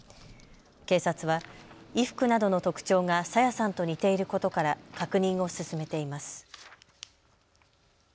警察は衣服などの特徴が朝芽さんと似ていることから確認を進めています。